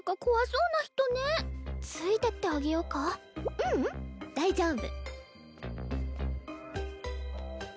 ううん大丈夫。